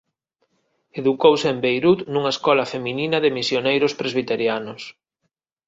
Educouse en Beirut nunha escola feminina de misioneiros presbiterianos.